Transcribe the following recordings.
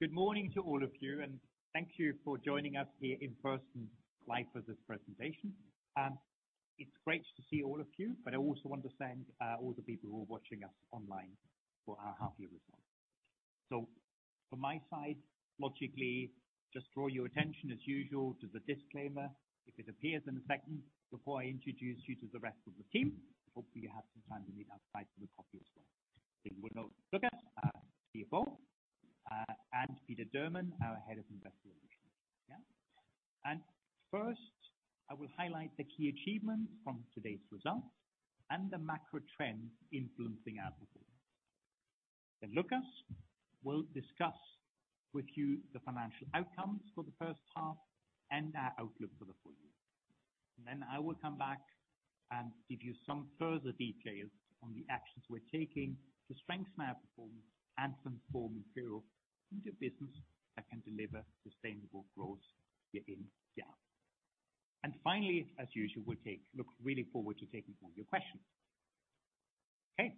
All right. Well, good morning to all of you, thank you for joining us here in person live for this presentation. It's great to see all of you, I also want to thank all the people who are watching us online for our half-year results. From my side, logically just draw your attention as usual to the disclaimer if it appears in a second. Before I introduce you to the rest of the team, hopefully you have some time to meet outside for the coffee as well. With us, Lukas, our CFO, and Peter Durman, our Head of Investor Relations. First, I will highlight the key achievements from today's results and the macro trends influencing our report. Lukas will discuss with you the financial outcomes for the first half and our outlook for the full year. I will come back and give you some further details on the actions we're taking to strengthen our performance and transform Imperial into a business that can deliver sustainable growth year in, year out. Finally, as usual, we look really forward to taking all your questions. Okay.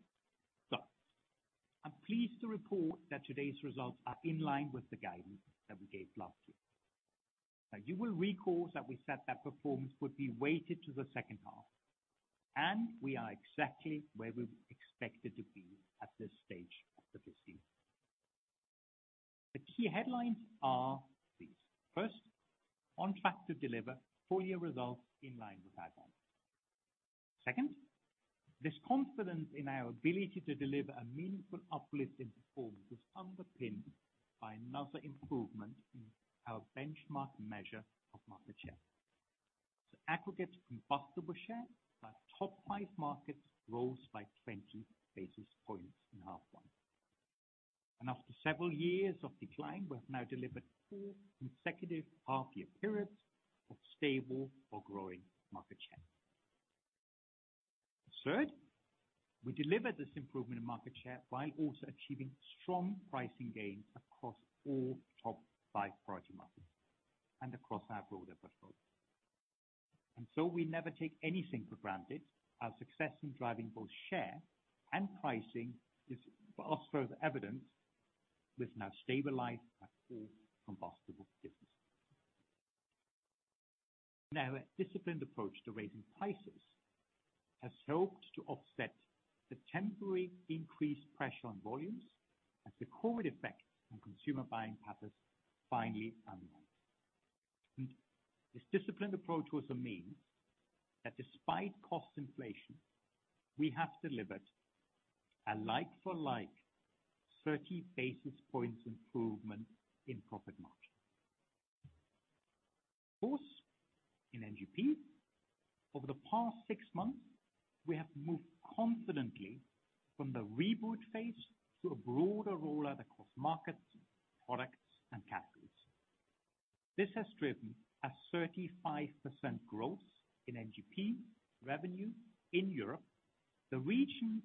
I'm pleased to report that today's results are in line with the guidance that we gave last year. You will recall that we set that performance would be weighted to the second half, and we are exactly where we expected to be at this stage of this year. The key headlines are these. First, on track to deliver full year results in line with our guidance. Second, this confidence in our ability to deliver a meaningful uplift in performance was underpinned by another improvement in our benchmark measure of market share. Aggregates combustible share by top five markets rose by 20 basis points in half one. After several years of decline, we have now delivered four consecutive half year periods of stable or growing market share. Third, we delivered this improvement in market share while also achieving strong pricing gains across all top five priority markets and across our broader portfolio. We never take anything for granted. Our success in driving both share and pricing is for us further evidence with now stabilized at full combustible businesses. Now, a disciplined approach to raising prices has helped to offset the temporary increased pressure on volumes as the COVID effect on consumer buying patterns finally unwind. This disciplined approach also means that despite cost inflation, we have delivered a like for like 30 basis points improvement in profit margin. Fourth, in NGP, over the past six months, we have moved confidently from the reboot phase to a broader rollout across markets, products, and categories. This has driven a 35% growth in NGP revenue in Europe, the region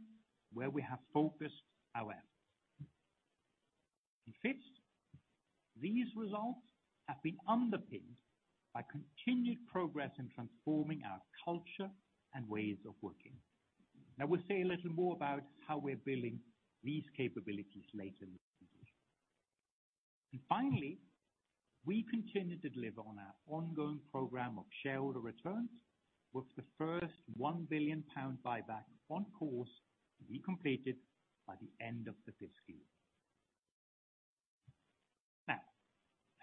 where we have focused our efforts. Fifth, these results have been underpinned by continued progress in transforming our culture and ways of working. We'll say a little more about how we're building these capabilities later in the presentation. Finally, we continue to deliver on our ongoing program of shareholder returns, with the first 1 billion pound buyback on course to be completed by the end of the fifth year.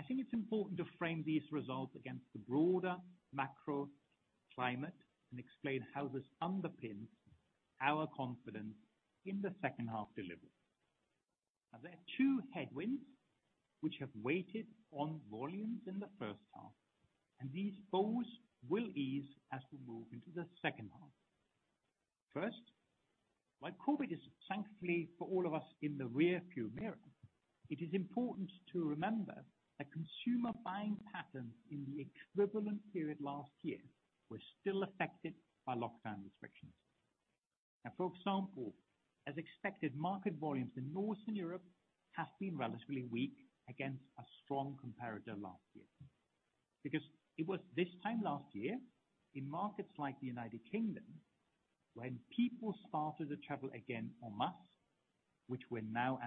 I think it's important to frame these results against the broader macro climate and explain how this underpins our confidence in the second half delivery. There are two headwinds which have weighed on volumes in the first half. These both will ease as we move into the second half. First, while COVID is thankfully for all of us in the rear view mirror, it is important to remember that consumer buying patterns in the equivalent period last year were still affected by lockdown restrictions. For example, as expected, market volumes in Northern Europe have been relatively weak against a strong comparator last year because it was this time last year in markets like the U.K. when people started to travel again en masse, which we're now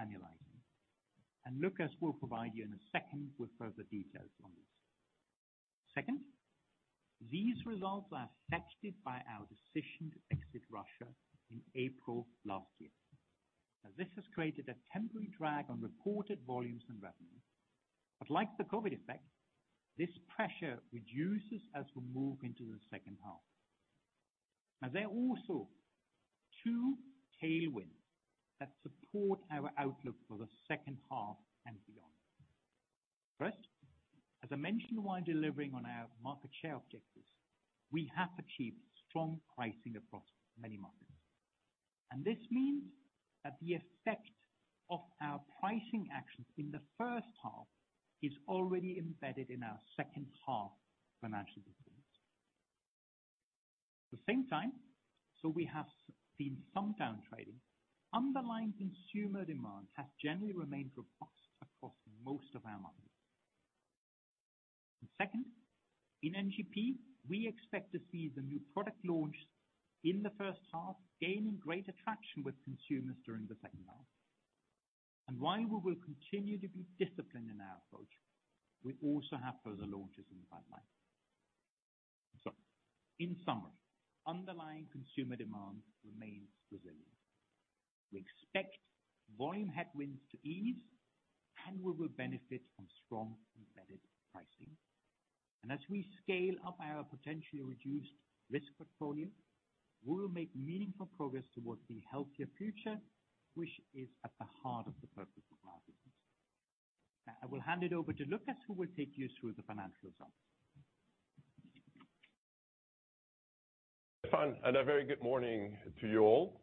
annualizing. Lukas will provide you in a second with further details on this. Second, these results are affected by our decision to exit Russia in April last year. This has created a temporary drag on reported volumes and revenue. Like the COVID effect, this pressure reduces as we move into the second half. There are also two tailwinds that support our outlook for the second half and beyond. First, as I mentioned, while delivering on our market share objectives, we have achieved strong pricing across many markets. This means that the effect of our pricing actions in the first half is already embedded in our second half financial performance. At the same time, we have seen some down trading. Underlying consumer demand has generally remained robust across most of our markets. Second, in NGP, we expect to see the new product launch in the first half, gaining great attraction with consumers during the second half. While we will continue to be disciplined in our approach, we also have further launches in the pipeline. In summary, underlying consumer demand remains resilient. We expect volume headwinds to ease. We will benefit from strong embedded pricing. As we scale up our potentially reduced risk portfolio, we will make meaningful progress towards the healthier future, which is at the heart of the purpose of our business. I will hand it over to Lukas, who will take you through the financial results. A very good morning to you all.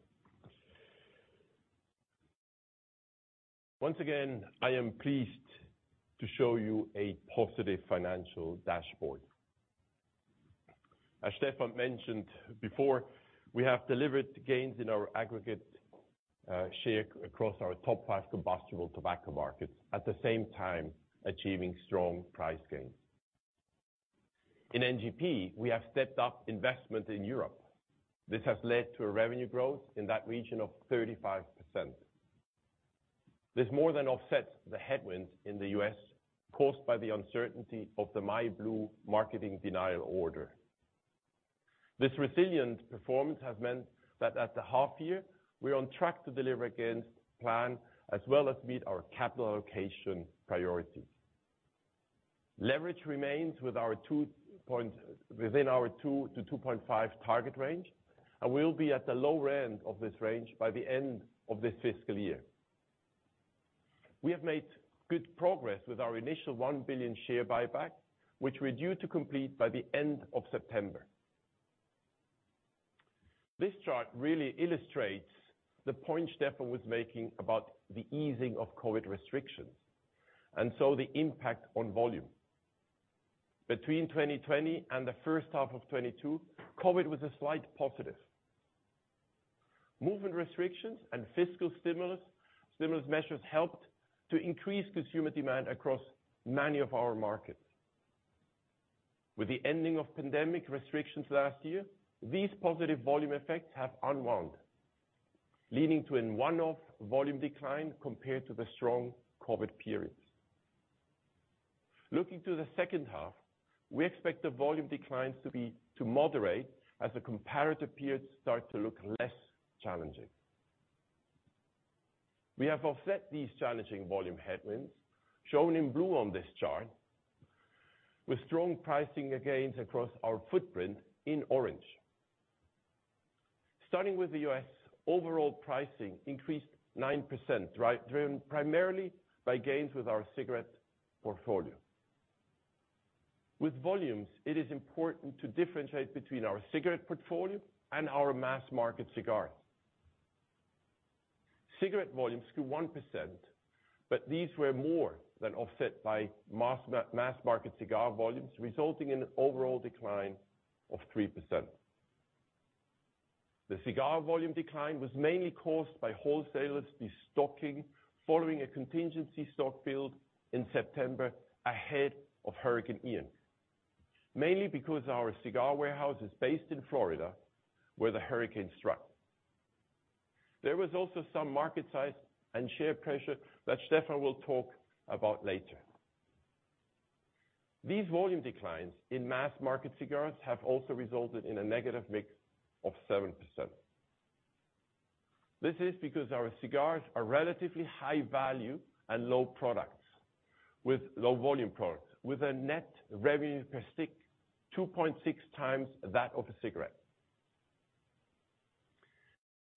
Once again, I am pleased to show you a positive financial dashboard. As Stefan mentioned before, we have delivered gains in our aggregate share across our top five combustible tobacco markets, at the same time, achieving strong price gains. In NGP, we have stepped up investment in Europe. This has led to a revenue growth in that region of 35%. This more than offsets the headwinds in the U.S. caused by the uncertainty of the myblu marketing denial order. This resilient performance has meant that at the half year, we're on track to deliver against plan as well as meet our capital allocation priorities. Leverage remains within our 2-2.5 target range, and we'll be at the lower end of this range by the end of this fiscal year. We have made good progress with our initial 1 billion share buyback, which we're due to complete by the end of September. This chart really illustrates the point Stefan was making about the easing of COVID restrictions, the impact on volume. Between 2020 and the first half of 2022, COVID was a slight positive. Movement restrictions and fiscal stimulus measures helped to increase consumer demand across many of our markets. With the ending of pandemic restrictions last year, these positive volume effects have unwound, leading to a one-off volume decline compared to the strong COVID periods. Looking to the second half, we expect the volume declines to moderate as the comparative periods start to look less challenging. We have offset these challenging volume headwinds, shown in blue on this chart, with strong pricing gains across our footprint in orange. Starting with the U.S., overall pricing increased 9%, driven primarily by gains with our cigarette portfolio. With volumes, it is important to differentiate between our cigarette portfolio and our mass market cigars. Cigarette volumes grew 1%, these were more than offset by mass market cigar volumes, resulting in an overall decline of 3%. The cigar volume decline was mainly caused by wholesalers de-stocking following a contingency stock build in September ahead of Hurricane Ian, mainly because our cigar warehouse is based in Florida, where the hurricane struck. There was also some market size and share pressure that Stefan will talk about later. These volume declines in mass market cigars have also resulted in a negative mix of 7%. This is because our cigars are relatively high value and low volume products, with a net revenue per stick 2.6 times that of a cigarette.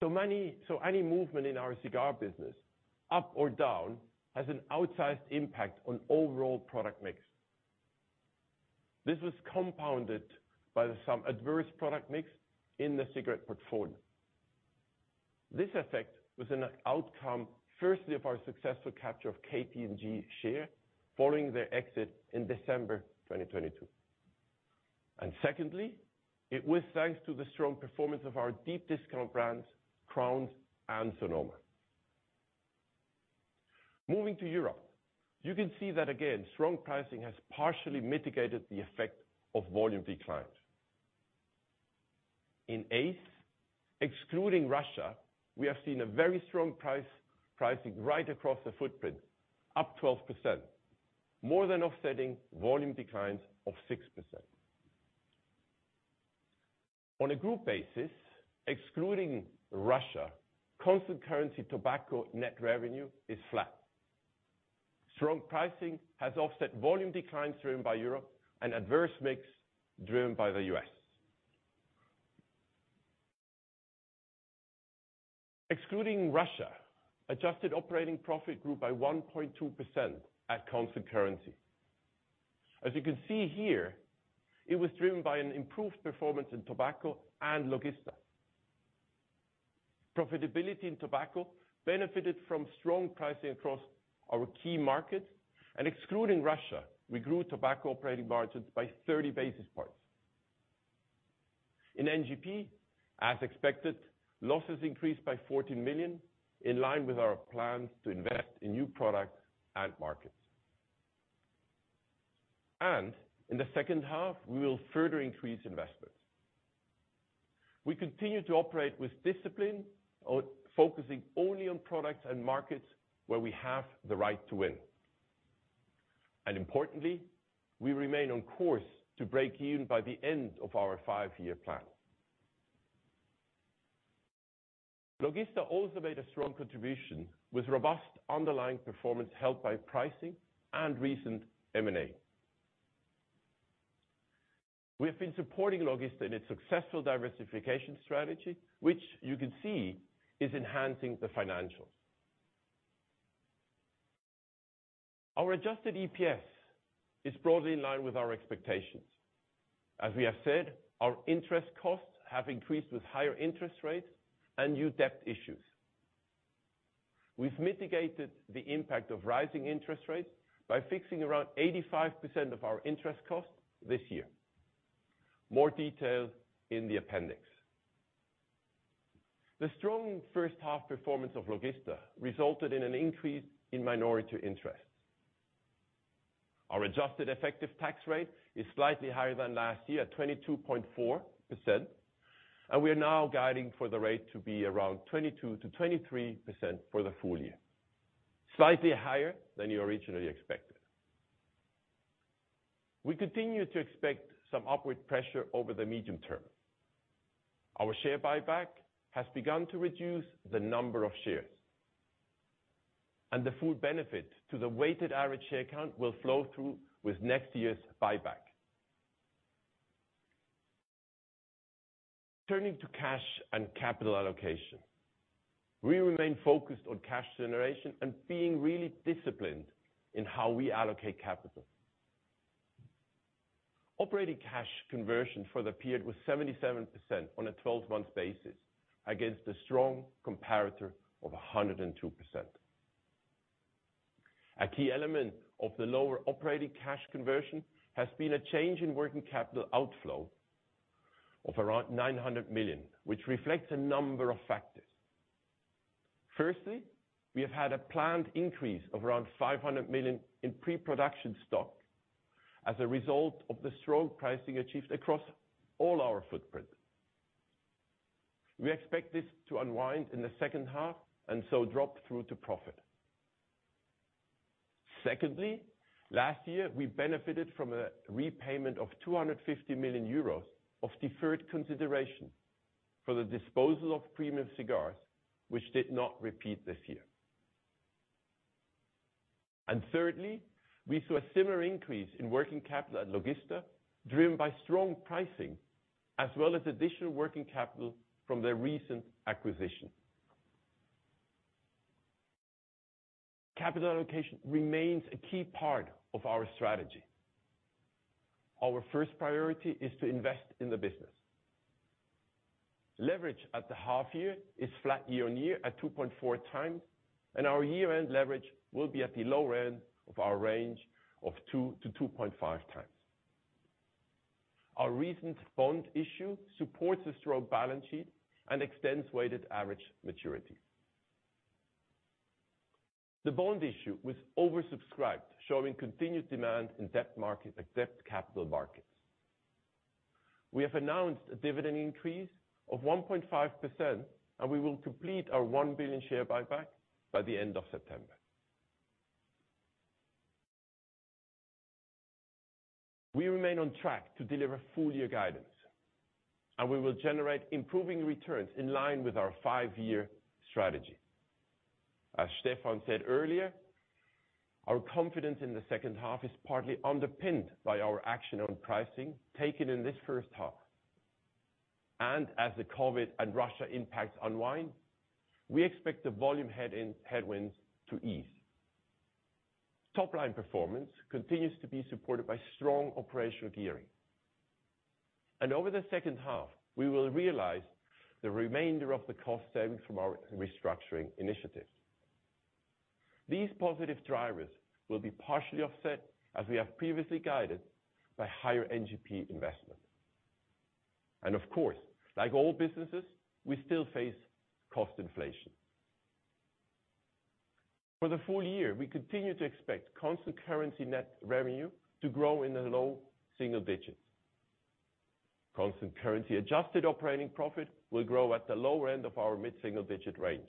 Any movement in our cigar business, up or down, has an outsized impact on overall product mix. This was compounded by some adverse product mix in the cigarette portfolio. This effect was an outcome, firstly, of our successful capture of KT&G share following their exit in December 2022. Secondly, it was thanks to the strong performance of our deep discount brands, Crowns and Sonoma. Moving to Europe, you can see that again, strong pricing has partially mitigated the effect of volume decline. In ACE, excluding Russia, we have seen a very strong pricing right across the footprint, up 12%, more than offsetting volume declines of 6%. On a group basis, excluding Russia, constant currency tobacco net revenue is flat. Strong pricing has offset volume declines driven by Europe and adverse mix driven by the U.S. Excluding Russia, adjusted operating profit grew by 1.2% at constant currency. As you can see here, it was driven by an improved performance in tobacco and Logista. Profitability in tobacco benefited from strong pricing across our key markets, and excluding Russia, we grew tobacco operating margins by 30 basis points. In NGP, as expected, losses increased by 14 million, in line with our plans to invest in new products and markets. In the second half, we will further increase investments. We continue to operate with discipline, focusing only on products and markets where we have the right to win. Importantly, we remain on course to break even by the end of our 5-year plan. Logista also made a strong contribution with robust underlying performance helped by pricing and recent M&A. We have been supporting Logista in its successful diversification strategy, which you can see is enhancing the financials. Our adjusted EPS is broadly in line with our expectations. As we have said, our interest costs have increased with higher interest rates and new debt issues. We've mitigated the impact of rising interest rates by fixing around 85% of our interest costs this year. More details in the appendix. The strong first half performance of Logista resulted in an increase in minority interest. Our adjusted effective tax rate is slightly higher than last year, at 22.4%. We are now guiding for the rate to be around 22%-23% for the full year, slightly higher than you originally expected. We continue to expect some upward pressure over the medium term. Our share buyback has begun to reduce the number of shares, and the full benefit to the weighted average share count will flow through with next year's buyback. Turning to cash and capital allocation. We remain focused on cash generation and being really disciplined in how we allocate capital. Operating cash conversion for the period was 77% on a 12-month basis against a strong comparator of 102%. A key element of the lower operating cash conversion has been a change in working capital outflow of around 900 million, which reflects a number of factors. Firstly, we have had a planned increase of around 500 million in pre-production stock as a result of the strong pricing achieved across all our footprint. We expect this to unwind in the second half and so drop through to profit. Secondly, last year we benefited from a repayment of 250 million euros of deferred consideration for the disposal of premium cigars, which did not repeat this year. Thirdly, we saw a similar increase in working capital at Logista, driven by strong pricing, as well as additional working capital from their recent acquisition. Capital allocation remains a key part of our strategy. Our first priority is to invest in the business. Leverage at the half year is flat year-on-year at 2.4x, and our year-end leverage will be at the lower end of our range of 2-2.5x. Our recent bond issue supports a strong balance sheet and extends weighted average maturity. The bond issue was oversubscribed, showing continued demand in debt markets except capital markets. We have announced a dividend increase of 1.5%, and we will complete our 1 billion share buyback by the end of September. We remain on track to deliver full year guidance, and we will generate improving returns in line with our 5-year strategy. As Stefan said earlier, our confidence in the second half is partly underpinned by our action on pricing taken in this first half. As the COVID and Russia impacts unwind, we expect the volume headwinds to ease. Top line performance continues to be supported by strong operational gearing. Over the second half, we will realize the remainder of the cost savings from our restructuring initiatives. These positive drivers will be partially offset, as we have previously guided, by higher NGP investment. Of course, like all businesses, we still face cost inflation. For the full year, we continue to expect constant currency net revenue to grow in the low single digits. Constant currency adjusted operating profit will grow at the lower end of our mid-single digit range.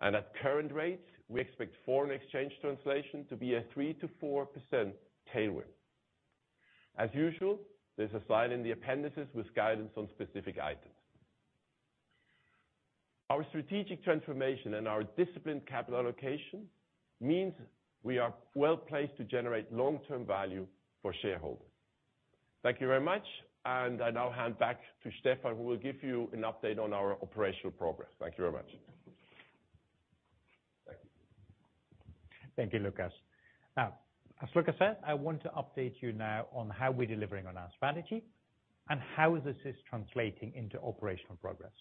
At current rates, we expect foreign exchange translation to be a 3%-4% tailwind. As usual, there's a slide in the appendices with guidance on specific items. Our strategic transformation and our disciplined capital allocation means we are well placed to generate long-term value for shareholders. Thank you very much, and I now hand back to Stefan, who will give you an update on our operational progress. Thank you very much. Thank you, Lukas. As Lukas said, I want to update you now on how we're delivering on our strategy and how this is translating into operational progress.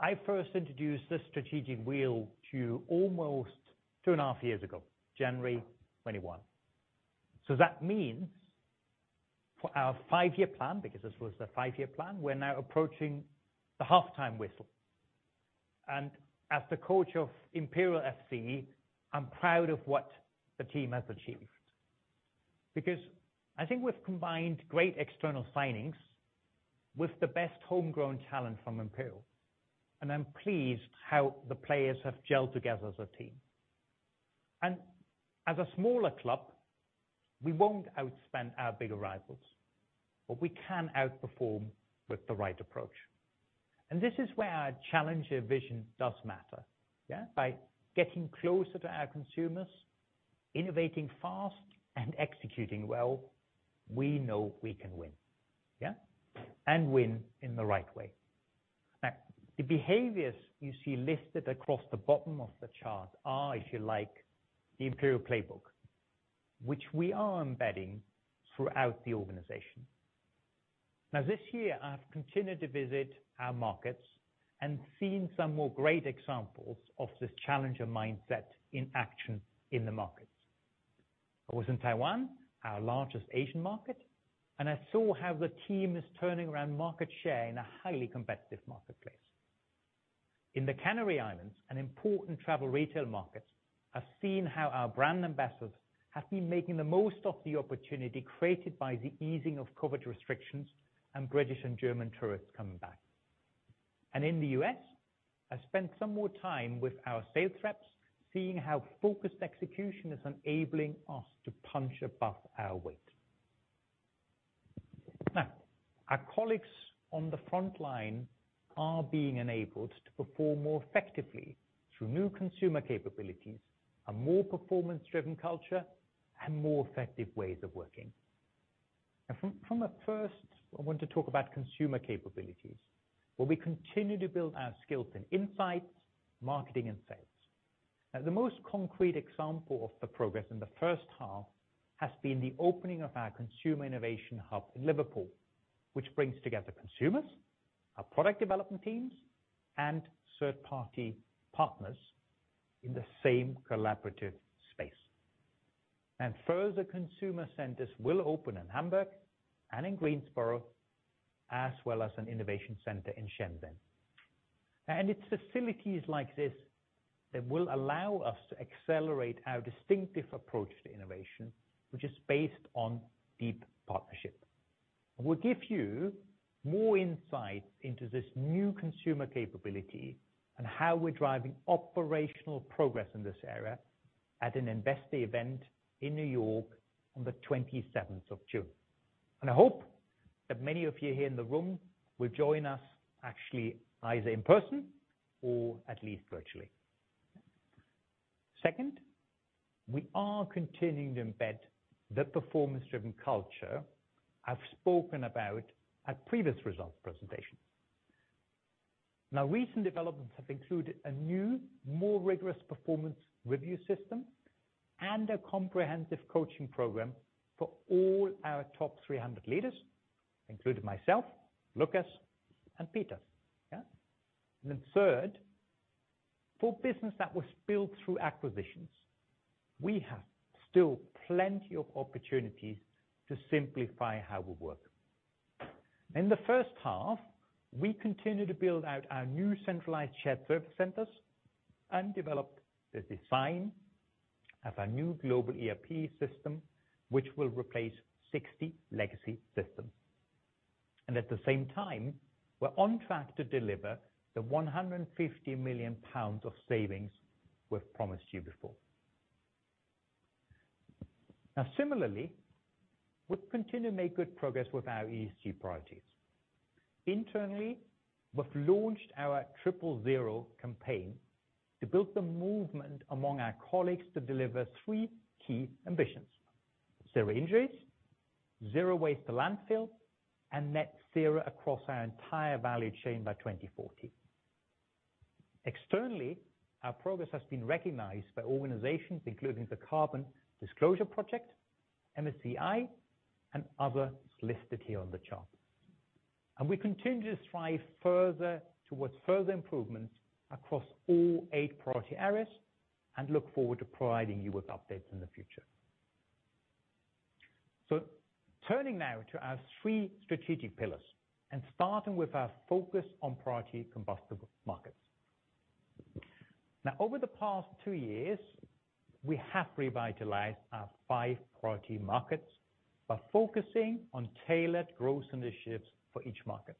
I first introduced this strategic wheel to you almost two and a half years ago, January 2021. That means for our 5-year plan, because this was the 5-year plan, we're now approaching the halftime whistle. As the coach of Imperial FC, I'm proud of what the team has achieved, because I think we've combined great external signings with the best homegrown talent from Imperial, and I'm pleased how the players have gelled together as a team. As a smaller club, we won't outspend our bigger rivals, but we can outperform with the right approach. This is where our challenger vision does matter. By getting closer to our consumers, innovating fast and executing well, we know we can win. Yeah. Win in the right way. The behaviors you see listed across the bottom of the chart are, if you like, the Imperial playbook, which we are embedding throughout the organization. This year, I have continued to visit our markets and seen some more great examples of this challenger mindset in action in the markets. I was in Taiwan, our largest Asian market, and I saw how the team is turning around market share in a highly competitive marketplace. In the Canary Islands, an important travel retail market, I've seen how our brand ambassadors have been making the most of the opportunity created by the easing of COVID restrictions and British and German tourists coming back. In the U.S., I spent some more time with our sales reps, seeing how focused execution is enabling us to punch above our weight. Our colleagues on the front line are being enabled to perform more effectively through new consumer capabilities, a more performance-driven culture, and more effective ways of working. From a first, I want to talk about consumer capabilities, where we continue to build our skills in insights, marketing, and sales. The most concrete example of the progress in the first half has been the opening of our consumer innovation hub in Liverpool, which brings together consumers, our product development teams, and third-party partners in the same collaborative space. Further consumer centers will open in Hamburg and in Greensboro, as well as an innovation center in Shenzhen. It's facilities like this that will allow us to accelerate our distinctive approach to innovation, which is based on deep partnership. We'll give you more insight into this new consumer capability and how we're driving operational progress in this area at an investor event in New York on the 27th of June. I hope that many of you here in the room will join us actually either in person or at least virtually. Second, we are continuing to embed the performance-driven culture I've spoken about at previous results presentations. Now, recent developments have included a new, more rigorous performance review system and a comprehensive coaching program for all our top 300 leaders, including myself, Lukas, and Peter. Yeah. Third, for business that was built through acquisitions, we have still plenty of opportunities to simplify how we work. In the first half, we continued to build out our new centralized shared service centers and developed the design of our new global ERP system, which will replace 60 legacy systems. At the same time, we're on track to deliver the 150 million pounds of savings we've promised you before. Similarly, we've continued to make good progress with our ESG priorities. Internally, we've launched our Triple Zero campaign to build the movement among our colleagues to deliver three key ambitions: zero injuries, zero waste to landfill, and net zero across our entire value chain by 2040. Externally, our progress has been recognized by organizations including the Carbon Disclosure Project, MSCI, and others listed here on the chart. We continue to strive further towards further improvements across all eight priority areas and look forward to providing you with updates in the future. Turning now to our three strategic pillars, and starting with our focus on priority combustible markets. Over the past 2 years, we have revitalized our five priority markets by focusing on tailored growth initiatives for each market.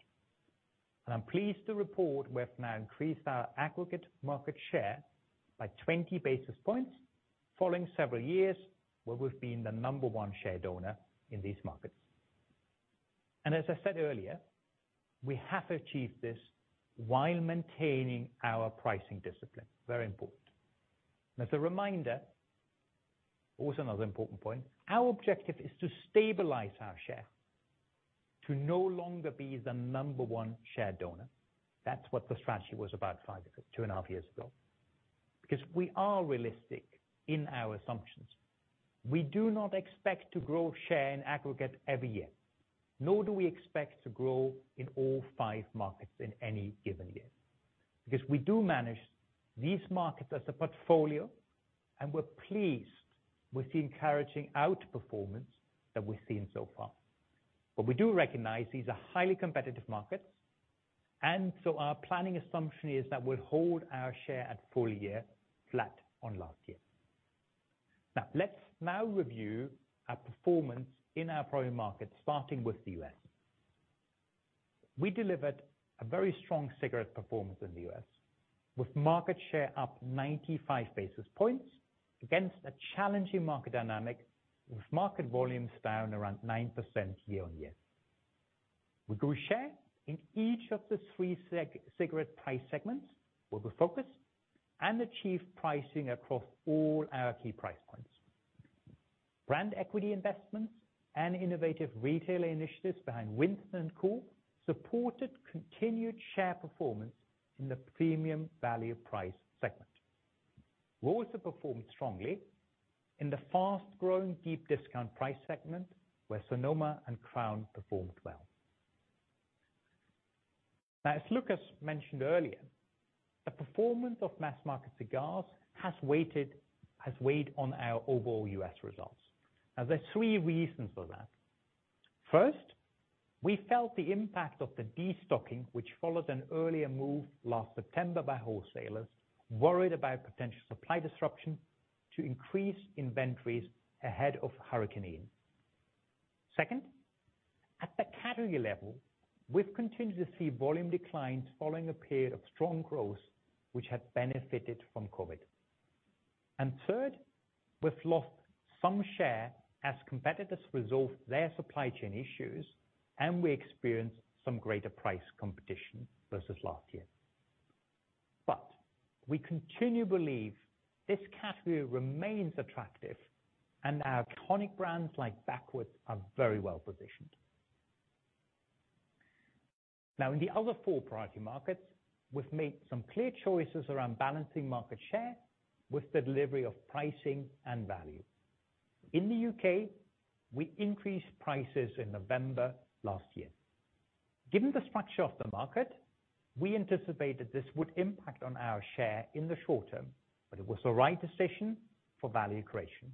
I'm pleased to report we have now increased our aggregate market share by 20 basis points following several years where we've been the number 1 share donor in these markets. As I said earlier, we have achieved this while maintaining our pricing discipline. Very important. As a reminder, also another important point, our objective is to stabilize our share, to no longer be the number one share donor. That's what the strategy was about 5, 2 and a half years ago. Because we are realistic in our assumptions. We do not expect to grow share in aggregate every year, nor do we expect to grow in all five markets in any given year. We do manage these markets as a portfolio, we're pleased with the encouraging outperformance that we've seen so far. We do recognize these are highly competitive markets, our planning assumption is that we'll hold our share at full year flat on last year. Let's now review our performance in our priority markets, starting with the U.S. We delivered a very strong cigarette performance in the U.S., with market share up 95 basis points against a challenging market dynamic, with market volumes down around 9% year-on-year. We grew share in each of the three cigarette price segments where we're focused and achieved pricing across all our key price points. Brand equity investments and innovative retail initiatives behind Winston and Kool supported continued share performance in the premium value price segment. We also performed strongly in the fast-growing deep discount price segment, where Sonoma and Crowns performed well. Now, as Lukas mentioned earlier, the performance of mass-market cigars has weighed on our overall U.S. results. Now, there are three reasons for that. First, we felt the impact of the destocking, which followed an earlier move last September by wholesalers, worried about potential supply disruption to increase inventories ahead of Hurricane Ian. Second, at the category level, we've continued to see volume declines following a period of strong growth, which had benefited from COVID. Third, we've lost some share as competitors resolve their supply chain issues, and we experienced some greater price competition versus last year. We continue to believe this category remains attractive and our iconic brands like Backwoods are very well-positioned. Now, in the other four priority markets, we've made some clear choices around balancing market share with the delivery of pricing and value. In the U.K., we increased prices in November last year. Given the structure of the market, we anticipated this would impact on our share in the short term, but it was the right decision for value creation.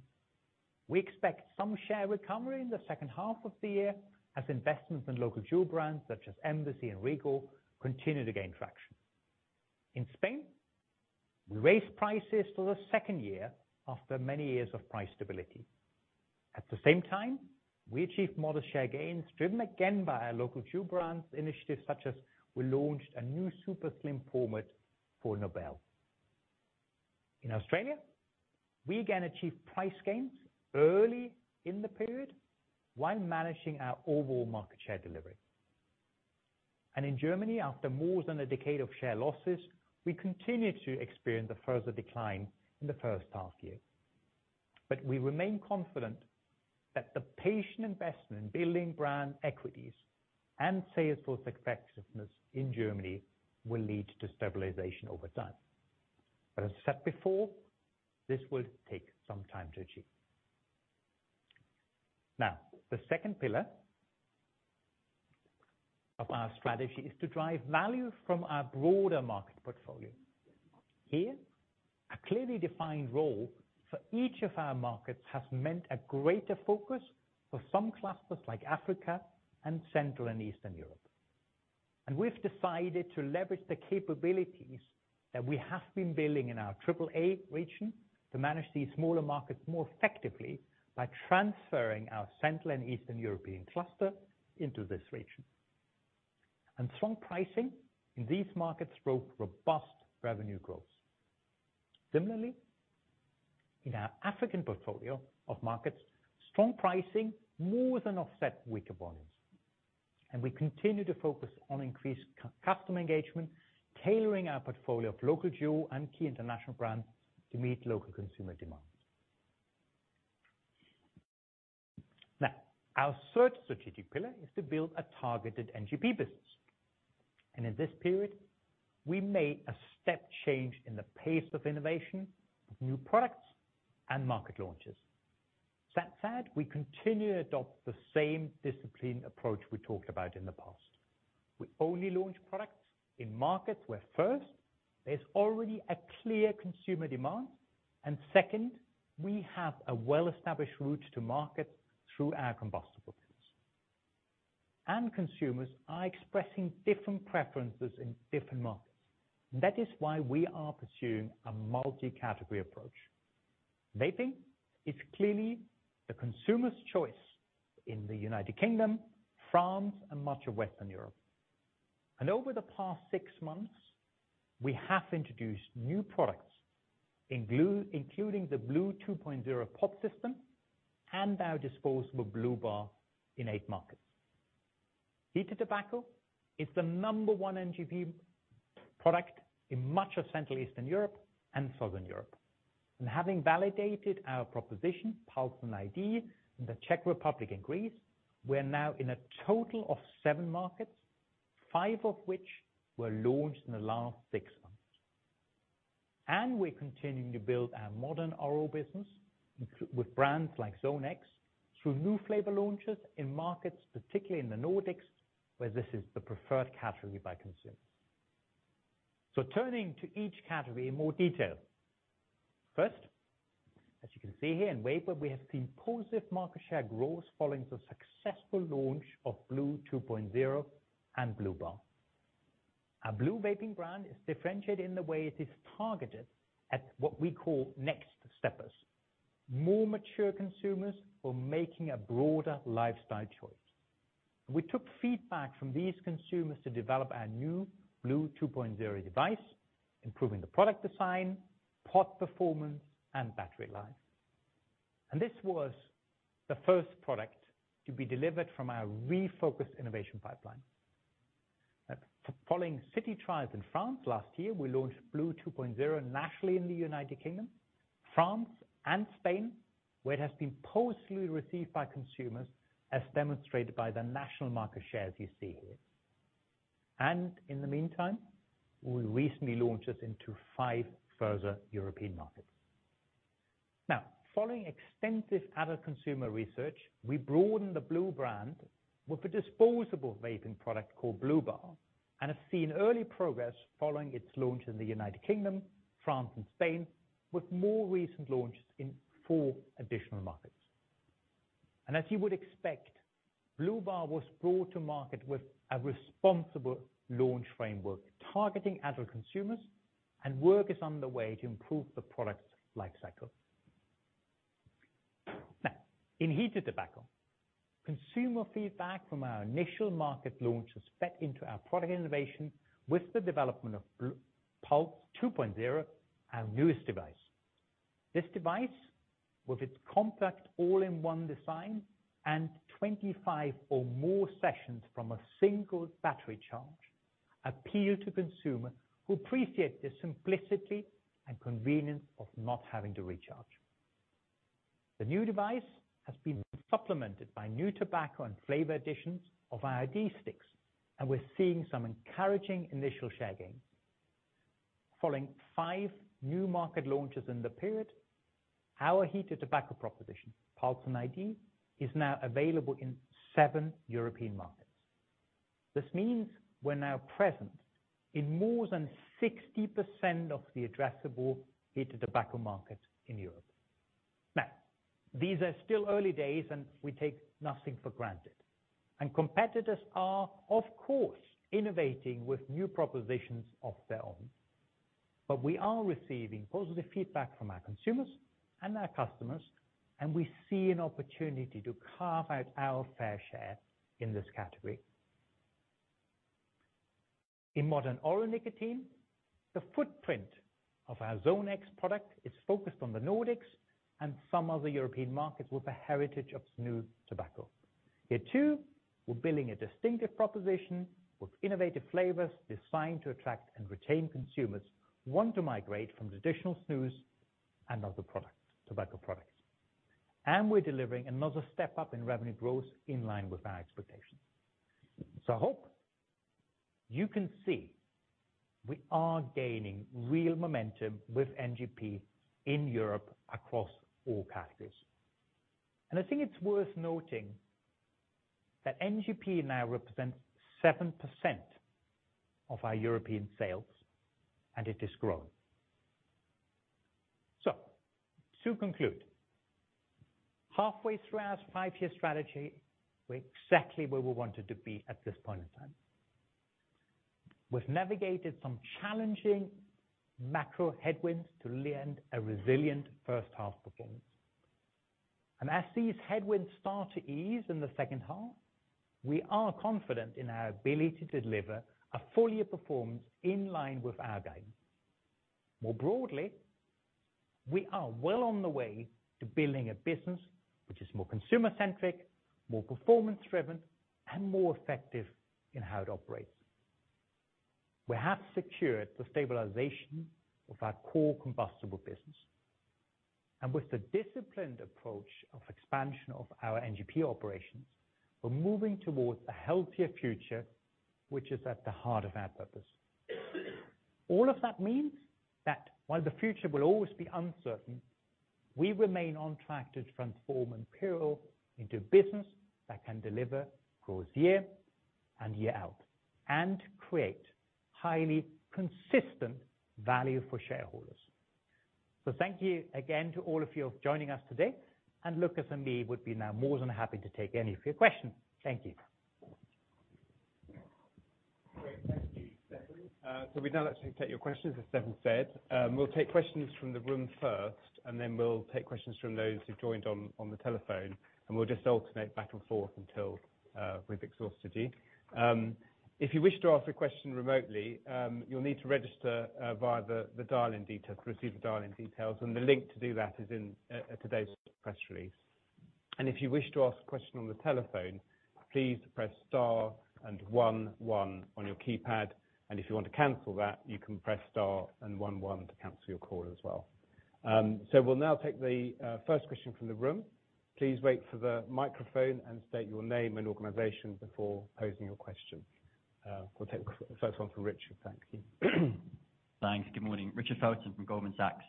We expect some share recovery in the second half of the year as investments in local jewel brands such as Embassy and Regal continue to gain traction. In Spain, we raised prices for the second year after many years of price stability. At the same time, we achieved modest share gains, driven again by our local jewel brands initiatives such as we launched a new super slim format for Nobel. In Australia, we again achieve price gains early in the period while managing our overall market share delivery. In Germany, after more than a decade of share losses, we continued to experience a further decline in the first half year. We remain confident that the patient investment in building brand equities and sales force effectiveness in Germany will lead to stabilization over time. As I said before, this will take some time to achieve. Now, the second pillar of our strategy is to drive value from our broader market portfolio. Here, a clearly defined role for each of our markets has meant a greater focus for some clusters like Africa and Central and Eastern Europe. We've decided to leverage the capabilities that we have been building in our AAA region to manage these smaller markets more effectively by transferring our Central and Eastern European cluster into this region. Strong pricing in these markets drove robust revenue growth. Similarly, in our African portfolio of markets, strong pricing more than offset weaker volumes. We continue to focus on increased customer engagement, tailoring our portfolio of local jewel and key international brands to meet local consumer demands. Now, our third strategic pillar is to build a targeted NGP business. In this period, we made a step change in the pace of innovation, new products, and market launches. That said, we continue to adopt the same disciplined approach we talked about in the past. We only launch products in markets where first, there's already a clear consumer demand, and second, we have a well-established route to market through our combustible business. Consumers are expressing different preferences in different markets. That is why we are pursuing a multi-category approach. Vaping is clearly the consumer's choice in the United Kingdom, France, and much of Western Europe. Over the past 6 months, we have introduced new products, including the blu 2.0 pod system and our disposable blu bar in 8 markets. Heated tobacco is the number 1 NGP product in much of Central Eastern Europe and Southern Europe. Having validated our proposition, Pulze and iD, in the Czech Republic and Greece, we're now in a total of 7 markets, 5 of which were launched in the last 6 months. We're continuing to build our modern oral business with brands like Zone X, through new flavor launches in markets, particularly in the Nordics, where this is the preferred category by consumers. Turning to each category in more detail. First, as you can see here in vapor, we have seen positive market share growth following the successful launch of blu 2.0 and blu bar. Our blu vaping brand is differentiated in the way it is targeted at what we call next steppers, more mature consumers who are making a broader lifestyle choice. We took feedback from these consumers to develop our new blu 2.0 device, improving the product design, pod performance, and battery life. This was the first product to be delivered from our refocused innovation pipeline. Following city trials in France last year, we launched blu 2.0 nationally in the United Kingdom, France and Spain, where it has been positively received by consumers, as demonstrated by the national market shares you see here. In the meantime, we recently launched it into five further European markets. Following extensive adult consumer research, we broadened the blu brand with a disposable vaping product called blu bar, and have seen early progress following its launch in the United Kingdom, France and Spain, with more recent launches in four additional markets. As you would expect, blu bar was brought to market with a responsible launch framework targeting adult consumers, and work is underway to improve the product's life cycle. In heated tobacco, consumer feedback from our initial market launch was fed into our product innovation with the development of Pulze 2.0, our newest device. This device, with its compact all-in-one design and 25 or more sessions from a single battery charge, appeal to consumer who appreciate the simplicity and convenience of not having to recharge. The new device has been supplemented by new tobacco and flavor additions of our iD sticks, and we're seeing some encouraging initial share gains. Following 5 new market launches in the period, our heated tobacco proposition, Pulze and iD, is now available in 7 European markets. This means we're now present in more than 60% of the addressable heated tobacco market in Europe. These are still early days, and we take nothing for granted. Competitors are, of course, innovating with new propositions of their own. We are receiving positive feedback from our consumers and our customers, and we see an opportunity to carve out our fair share in this category. In modern oral nicotine, the footprint of our Zone X product is focused on the Nordics and some other European markets with a heritage of snus tobacco. Here too, we're building a distinctive proposition with innovative flavors designed to attract and retain consumers who want to migrate from traditional snus and other products, tobacco products. We're delivering another step up in revenue growth in line with our expectations. I hope you can see we are gaining real momentum with NGP in Europe across all categories. I think it's worth noting that NGP now represents 7% of our European sales, and it is growing. To conclude, halfway through our five-year strategy, we're exactly where we wanted to be at this point in time. We've navigated some challenging macro headwinds to land a resilient first half performance. As these headwinds start to ease in the second half, we are confident in our ability to deliver a full year performance in line with our guidance. More broadly, we are well on the way to building a business which is more consumer-centric, more performance-driven, and more effective in how it operates. We have secured the stabilization of our core combustible business. With the disciplined approach of expansion of our NGP operations, we're moving towards a healthier future, which is at the heart of our purpose. All of that means that while the future will always be uncertain, we remain on track to transform Imperial into a business that can deliver growth year and year out and create highly consistent value for shareholders. Thank you again to all of you for joining us today, and Lukas and me would be now more than happy to take any of your questions. Thank you. Great. Thank you, Stefan. We'd now like to take your questions, as Stefan said. We'll take questions from the room first, then we'll take questions from those who joined on the telephone, we'll just alternate back and forth until we've exhausted you. If you wish to ask a question remotely, you'll need to register via the dial-in details, the link to do that is in today's press release. If you wish to ask a question on the telephone, please press star and one one on your keypad. If you want to cancel that, you can press star and one one to cancel your call as well. We'll now take the first question from the room. Please wait for the microphone and state your name and organization before posing your question. We'll take the first one from Richard. Thank you. Thanks. Good morning. Richard Felton from Goldman Sachs.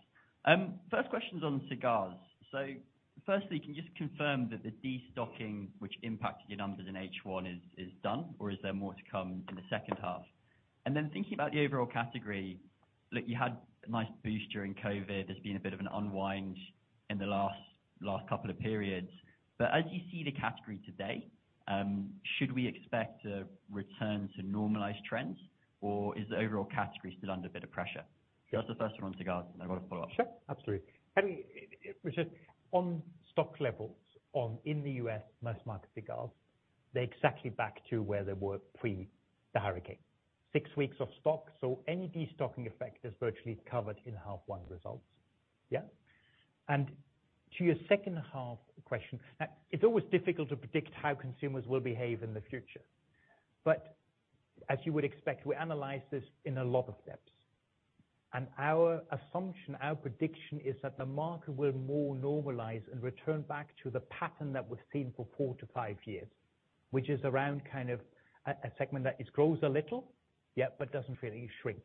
First question's on cigars. Firstly, can you just confirm that the destocking which impacted your numbers in H1 is done, or is there more to come in the second half? Thinking about the overall category, look, you had a nice boost during COVID. There's been a bit of an unwind in the last couple of periods. As you see the category today, should we expect a return to normalized trends, or is the overall category still under a bit of pressure? That's the first one on cigars, I've got a follow-up. Sure, absolutely. Richard, on stock levels, in the U.S. mass market cigars, they're exactly back to where they were pre the Hurricane Ian. Six weeks of stock, so any destocking effect is virtually covered in half one results. Yeah. To your second half question, it's always difficult to predict how consumers will behave in the future. As you would expect, we analyze this in a lot of depths. Our assumption, our prediction is that the market will more normalize and return back to the pattern that was seen for 4 to 5 years, which is around kind of a segment that it grows a little, yet but doesn't really shrink.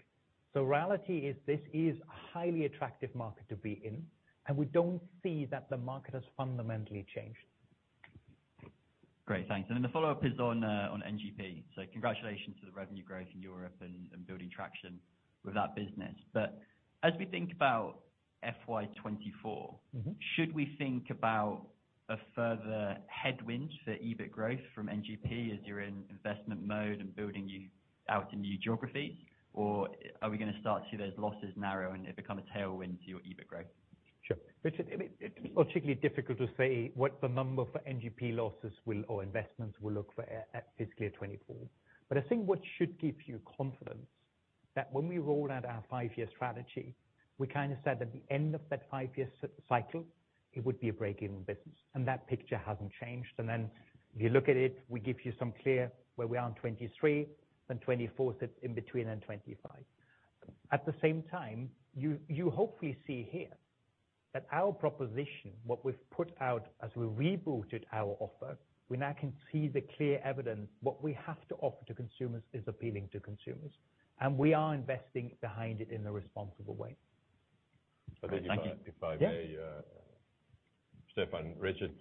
Reality is this is a highly attractive market to be in, and we don't see that the market has fundamentally changed. Great. Thanks. Then the follow-up is on NGP. Congratulations to the revenue growth in Europe and building traction with that business. As we think about FY 2024. Mm-hmm. Should we think about a further headwind for EBIT growth from NGP as you're in investment mode and building you out in new geographies? Or are we gonna start to see those losses narrow and it become a tailwind to your EBIT growth? Sure. Richard, it's particularly difficult to say what the number for NGP losses will or investments will look for at fiscal 2024. I think what should give you confidence, that when we rolled out our five-year strategy, we kinda said at the end of that five-year cycle, it would be a break-even business. That picture hasn't changed. If you look at it, we give you some clear where we are in 2023, then 2024 sits in between and 2025. At the same time, you hopefully see here that our proposition, what we've put out as we rebooted our offer, we now can see the clear evidence, what we have to offer to consumers is appealing to consumers, and we are investing behind it in a responsible way. Thank you. If I may. Yeah. Stefan, Richard,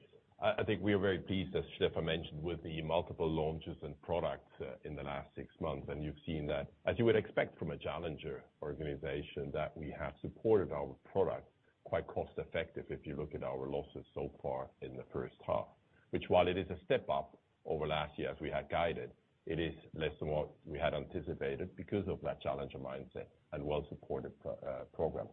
I think we are very pleased, as Stefan mentioned, with the multiple launches and products in the last six months, and you've seen that. As you would expect from a challenger organization, that we have supported our product quite cost-effective, if you look at our losses so far in the first half, which while it is a step up over last year, as we had guided, it is less than what we had anticipated because of that challenger mindset and well-supported program.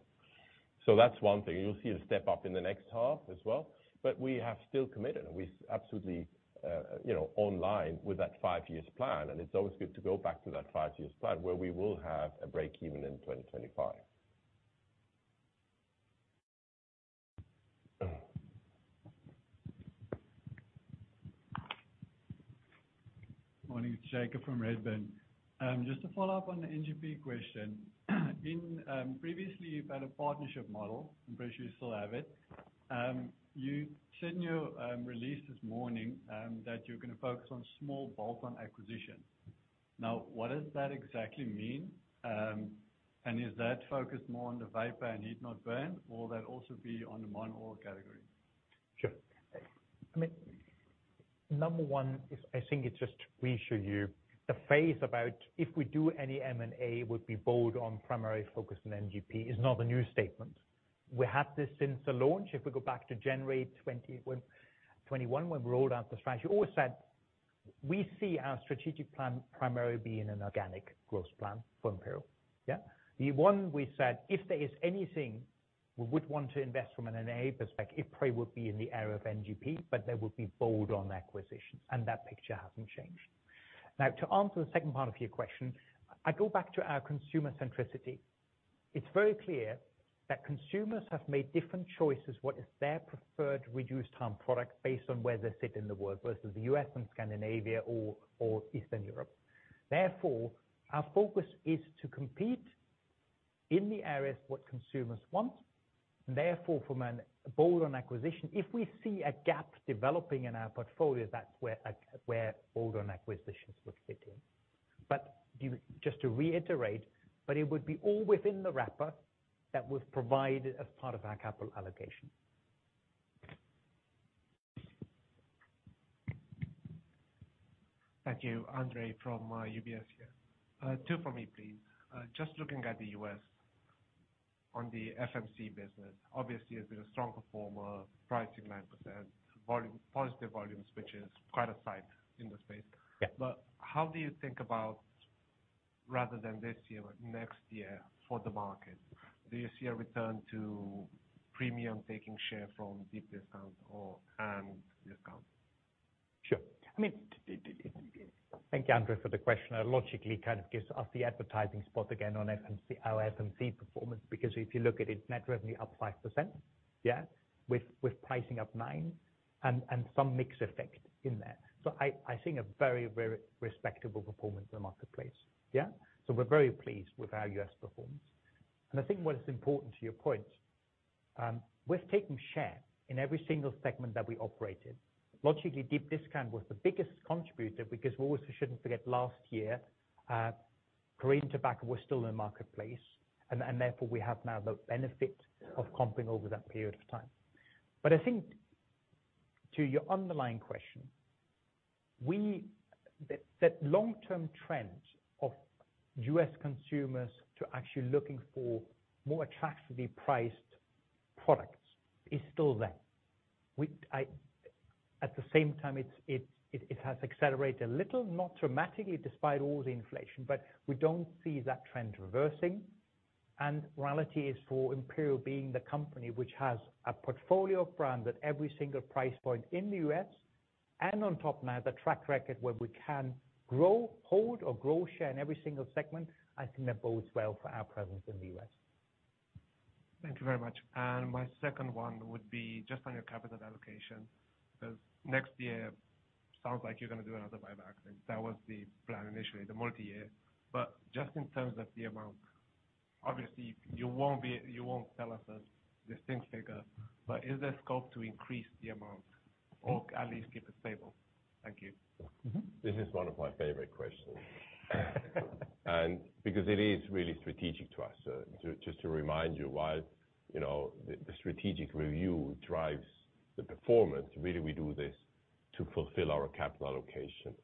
That's one thing. You'll see a step up in the next half as well, but we have still committed and we absolutely, you know, online with that five years plan, and it's always good to go back to that five years plan where we will have a break even in 2025. Morning. It's Jacob from Redburn. Just to follow up on the NGP question. Previously you've had a partnership model. I'm pretty sure you still have it. You said in your release this morning, that you're gonna focus on small bolt-on acquisitions. What does that exactly mean? Is that focused more on the vapor and heat not burn, or will that also be on the modern oral category? Sure. I mean, number one is I think it's just reassure you the phase about if we do any M&A would be bold on primary focus on NGP is not a new statement. We had this since the launch. If we go back to January 2021, when we rolled out the strategy, always said, we see our strategic plan primarily being an organic growth plan for Imperial Brands, yeah? The one we said, if there is anything we would want to invest from an M&A perspective, it probably would be in the area of NGP, but there would be bold on acquisitions, and that picture hasn't changed. Now, to answer the second part of your question, I go back to our consumer centricity. It's very clear that consumers have made different choices, what is their preferred reduced harm product based on where they sit in the world versus the U.S. and Scandinavia or Eastern Europe. Therefore, our focus is to compete in the areas what consumers want, and therefore from an bolt-on acquisition, if we see a gap developing in our portfolio, that's where bolt-on acquisitions would fit in. just to reiterate, but it would be all within the wrapper that was provided as part of our capital allocation. Thank you. Andre from UBS here. Two for me, please. Just looking at the U.S. on the FMC business, obviously it's been a strong performer, pricing 9%, volume, positive volumes, which is quite a sight in the space. Yeah. How do you think about rather than this year or next year for the market? Do you see a return to premium taking share from deep discount or, and, you know. Sure. I mean, thank you, Andre, for the question. Logically kind of gives us the advertising spot again on FMC, our FMC performance, because if you look at it, net revenue up 5%, yeah, with pricing up nine and some mix effect in there. I think a very, very respectable performance in the marketplace, yeah. We're very pleased with our U.S. performance. I think what is important to your point, we've taken share in every single segment that we operated. Logically, deep discount was the biggest contributor because we always shouldn't forget last year, Korean tobacco was still in the marketplace, and therefore we have now the benefit of comping over that period of time. I think to your underlying question, that long-term trend of U.S. consumers to actually looking for more attractively priced products is still there. At the same time, it has accelerated a little, not dramatically, despite all the inflation, but we don't see that trend reversing. Reality is for Imperial being the company which has a portfolio of brands at every single price point in the U.S., and on top of that, the track record where we can grow, hold or grow share in every single segment, I think that bodes well for our presence in the U.S. Thank you very much. My second one would be just on your capital allocation, 'cause next year sounds like you're gonna do another buyback. That was the plan initially, the multi-year. Just in terms of the amount, obviously you won't tell us the distinct figure, but is there scope to increase the amount or at least keep it stable? Thank you. This is one of my favorite questions because it is really strategic to us. Just to remind you why, you know, the strategic review drives the performance. Really, we do this to fulfill our capital allocation,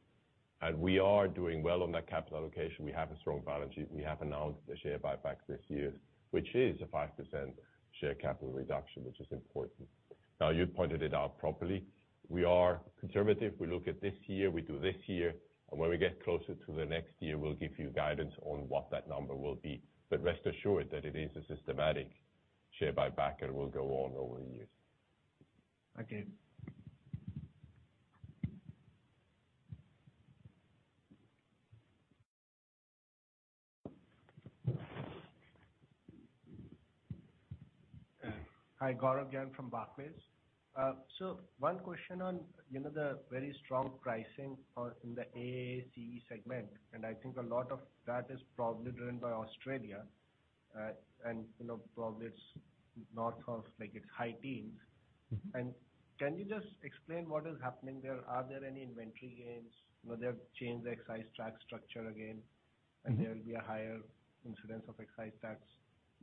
we are doing well on that capital allocation. We have a strong balance sheet. We have announced the share buyback this year, which is a 5% share capital reduction, which is important. Now, you pointed it out properly. We are conservative. We look at this year, we do this year, when we get closer to the next year, we'll give you guidance on what that number will be. Rest assured that it is a systematic share buyback and will go on over the years. Thank you. Hi, Gaurav Jain from Barclays. One question on, you know, the very strong pricing, in the AAA segment, and I think a lot of that is probably driven by Australia, and, you know, probably it's north of, like it's high teens. Mm-hmm. Can you just explain what is happening there? Are there any inventory gains? You know, they've changed the excise tax structure again, and there will be a higher incidence of excise tax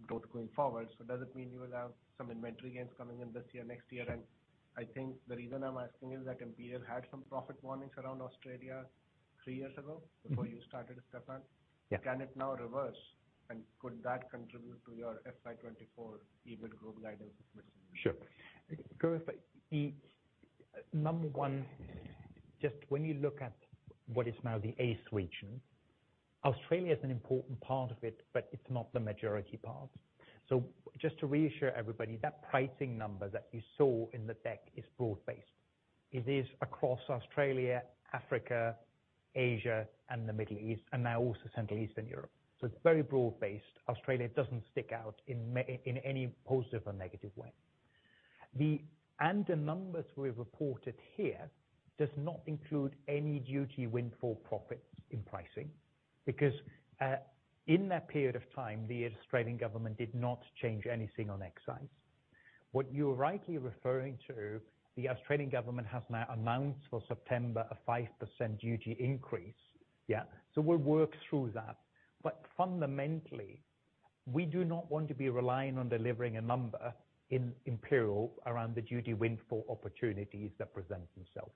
growth going forward. Does it mean you will have some inventory gains coming in this year, next year? I think the reason I'm asking is that Imperial had some profit warnings around Australia three years ago before you started, Stefan. Yeah. Can it now reverse, and could that contribute to your FY 2024 EBIT growth guidance as well? Sure. Gaurav, the number one, just when you look at what is now the ACE region, Australia is an important part of it, but it's not the majority part. Just to reassure everybody, that pricing number that you saw in the deck is broad-based. It is across Australia, Africa, Asia and the Middle East, and now also Central Eastern Europe. It's very broad-based. Australia doesn't stick out in any positive or negative way. And the numbers we've reported here does not include any duty windfall profits in pricing, because in that period of time, the Australian government did not change anything on excise. What you're rightly referring to, the Australian government has now announced for September a 5% duty increase, yeah. We'll work through that. Fundamentally, we do not want to be relying on delivering a number in Imperial around the duty windfall opportunities that present themselves,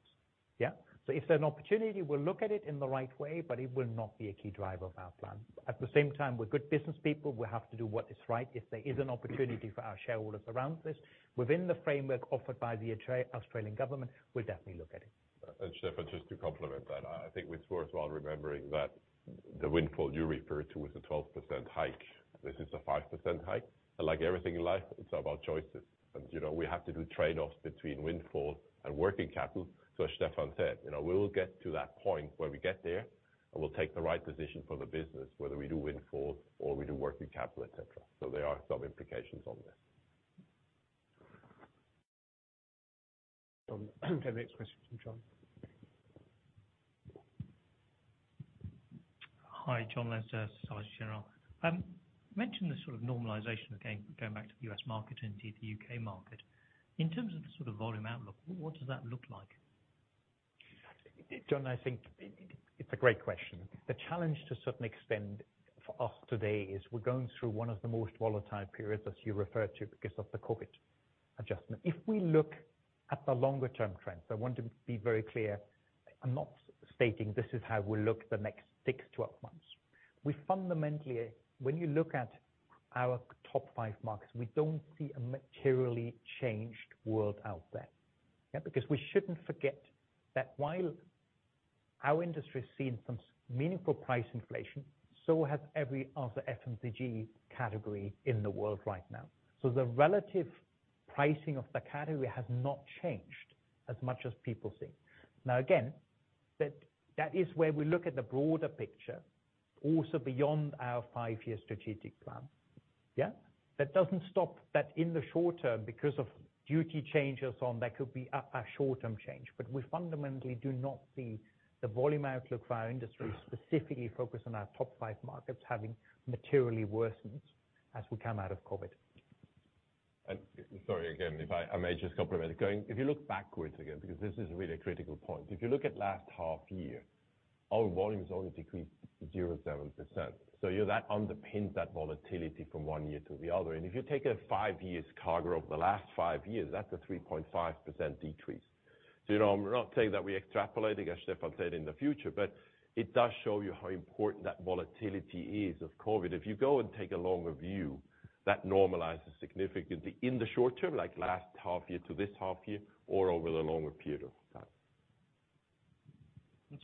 yeah. If there's an opportunity, we'll look at it in the right way, but it will not be a key driver of our plan. At the same time, we're good business people, we have to do what is right. If there is an opportunity for our shareholders around this within the framework offered by the Australian government, we'll definitely look at it. Stefan, just to complement that, I think it's worthwhile remembering that the windfall you refer to was a 12% hike. This is a 5% hike. Like everything in life, it's about choices. You know, we have to do trade-offs between windfall and working capital. As Stefan said, you know, we will get to that point where we get there, and we'll take the right decision for the business, whether we do windfall or we do working capital, et cetera. There are some implications on this. Jon. The next question from Jon. Hi, Jonathan Leinster, Société Générale. You mentioned the sort of normalization again going back to the U.S. market and indeed the U.K. market. In terms of the sort of volume outlook, what does that look like? Jon, I think it's a great question. The challenge to certainly extend for us today is we're going through one of the most volatile periods, as you referred to, because of the COVID adjustment. If we look at the longer-term trends, I want to be very clear, I'm not stating this is how we'll look the next 6-12 months. We fundamentally, when you look at our top five markets, we don't see a materially changed world out there. Yeah. We shouldn't forget that while Our industry has seen some meaningful price inflation, so has every other FMCG category in the world right now. The relative pricing of the category has not changed as much as people think. Now again, that is where we look at the broader picture also beyond our 5-year strategic plan. Yeah? That doesn't stop that in the short term, because of duty changes on, that could be a short-term change. We fundamentally do not see the volume outlook for our industry, specifically focused on our top five markets, having materially worsened as we come out of COVID. Sorry again, if I may just complement. If you look backwards again, because this is really a critical point. If you look at last half year, our volume has only decreased 0.7%. You know that underpins that volatility from one year to the other. If you take a five years cargo over the last five years, that's a 3.5% decrease. You know, I'm not saying that we're extrapolating, as Stefan said, in the future, but it does show you how important that volatility is of COVID. If you go and take a longer view, that normalizes significantly in the short term, like last half year to this half year or over the longer period of time.